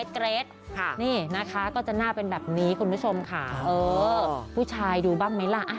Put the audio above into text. เกรดนี่นะคะก็จะน่าเป็นแบบนี้คุณผู้ชมค่ะเออผู้ชายดูบ้างไหมล่ะ